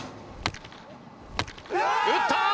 打った！